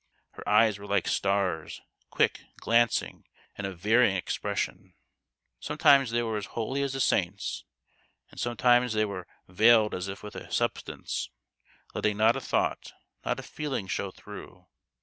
Her eyes were like stars, quick, glancing, and of varying expression. Sometimes they were as holy as a saint's, and sometimes they were veiled as if with a substance, letting not a thought, not a feeling show through.